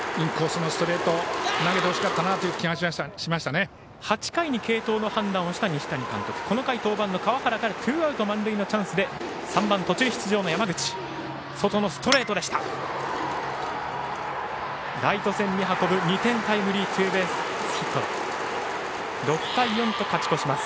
この回、登板の川原からツーアウト満塁のチャンスで３番、途中出場の山口外のストレートでした。